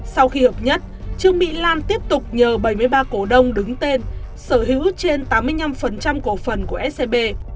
sau khi hợp nhất trương mỹ lan tiếp tục nhờ bảy mươi ba cổ đông đứng tên sở hữu trên tám mươi năm cổ phần của scb